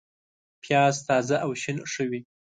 پیاز تازه او شین ښه وي